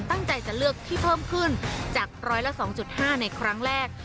ตั้งใจจะเลือกที่เพิ่มขึ้นจากร้อยละ๒๕ในครั้งแรก